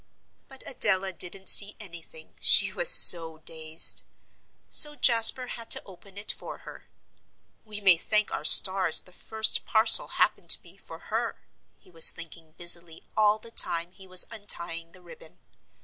But Adela didn't see anything, she was so dazed. So Jasper had to open it for her. "We may thank our stars the first parcel happened to be for her," he was thinking busily all the time he was untying the ribbon.